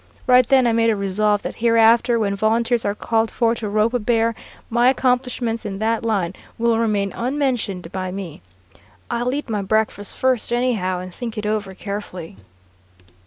Right then I made a resolve that hereafter, when volunteers are called for to rope a bear, my accomplishments in that line will remain unmentioned by me. I'll eat my breakfast first, anyhow, and think it over carefully."